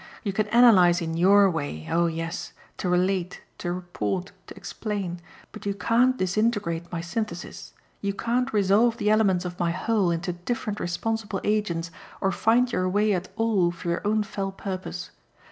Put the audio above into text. You can analyse in YOUR way, oh yes to relate, to report, to explain; but you can't disintegrate my synthesis; you can't resolve the elements of my whole into different responsible agents or find your way at all (for your own fell purpose).